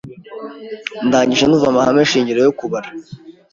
Ndangije ndumva amahame shingiro yo kubara.